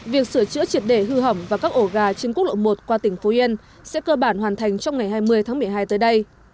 việc sửa chữa triệt đề hư hỏng và các ổ gà trên quốc lộ một qua tỉnh phú yên sẽ cơ bản hoàn thành trong ngày hai mươi tháng một mươi hai tới đây